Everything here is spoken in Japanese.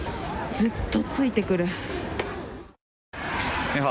ずっとついてくる。